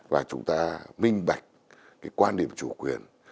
và chúng ta minh bạch cái quan điểm chủ quyền